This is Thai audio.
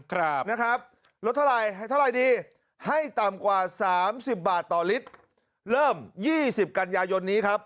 ครับนะครับลดเท่าไรให้เท่าไรดีให้ต่ำกว่า๓๐บาทต่อลิตรเริ่ม๒๐กันยายนนี้ครับ